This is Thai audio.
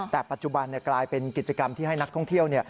แต่ปัจจุบันกลายเป็นกิจกรรมที่ให้นักท่องเที่ยว